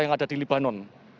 yang ada di libanon